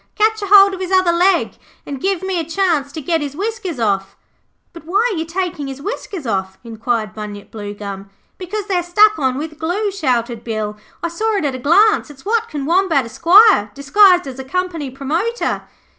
'Catch a hold of his other leg and give me a chance to get his whiskers off.' 'But why are you taking his whiskers off?' inquired Bunyip Bluegum. 'Because they're stuck on with glue,' shouted Bill. 'I saw it at a glance. It's Watkin Wombat, Esq., disguised as a company promoter.'